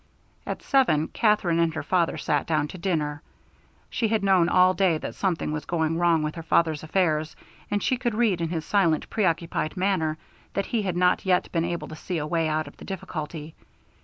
At seven Katherine and her father sat down to dinner. She had known all day that something was going wrong with her father's affairs, and she could read in his silent preoccupied manner that he had not yet been able to see a way out of the difficulty.